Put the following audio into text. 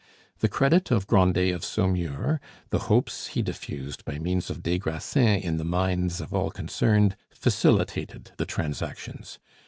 The credit of Grandet of Saumur, the hopes he diffused by means of des Grassins in the minds of all concerned, facilitated the transactions.